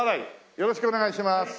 よろしくお願いします。